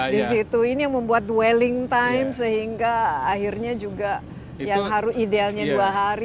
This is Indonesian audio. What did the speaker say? di situ ini yang membuat dwelling time sehingga akhirnya juga yang idealnya dua hari bisa jadi enam hari